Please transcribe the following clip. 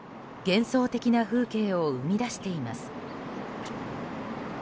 幻想的な風景を生み出しています。